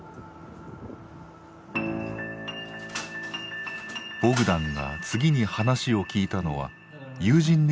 ボグダンが次に話を聞いたのは友人である兵士。